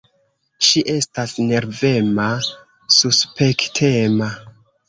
Ŝi estas nervema, suspektema.